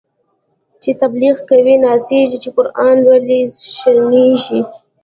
چی تبلیغ کوی نڅیږی، چی قران لولی ششنیږی